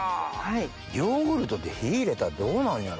ヨーグルトって火入れたらどうなんやろ？